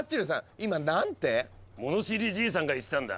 今何て⁉物知りじいさんが言ってたんだ。